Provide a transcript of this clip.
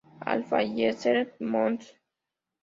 Al fallecer Mons.